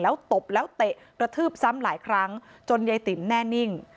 แล้วตบแล้วเตะกระทืบซ้ำหลายครั้งจนยายติ๋มแน่นิ่ง